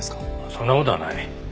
そんな事はない。